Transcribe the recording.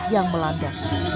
wabah yang melanda